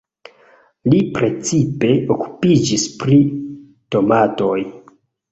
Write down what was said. Li precipe okupiĝis pri tomatoj.